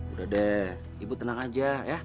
udah deh ibu tenang aja ya